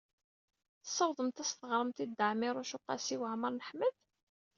Tessawḍemt ad as-teɣremt i Dda Ɛmiiruc u Qasi Waɛmer n Ḥmed?